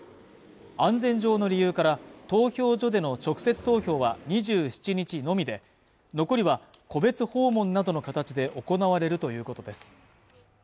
安全上の理由から投票所での直接投票は２７日のみで残りは戸別訪問などの形で行われるということです